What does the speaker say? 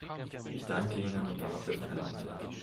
Ich danke Ihnen und warte auf eine Antwort.